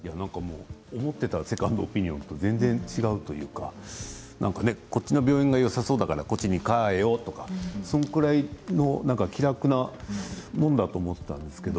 思っていたセカンドオピニオンと全然違うというかこっちの病院がよさそうだから変えようっていう、それくらいの気楽なもんだと思っていたんですけど